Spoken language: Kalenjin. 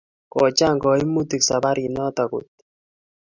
Kochang' kaimutik saparit notok koy